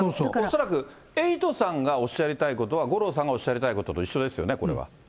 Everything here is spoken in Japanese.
恐らくエイトさんがおっしゃりたいことは、五郎さんがおっしゃりたいことと一緒ですよね、これは。